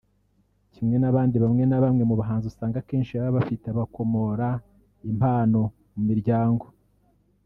Kimwe n'abandi bamwe na bamwe mu bahanzi usanga akenshi baba bafite aho bakomora impano mu miryango